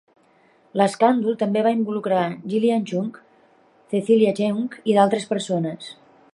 L'escàndol també va involucrar Gillian Chung, Cecilia Cheung i d'altres persones.